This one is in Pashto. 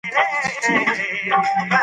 پرېکړې باید ولسي وي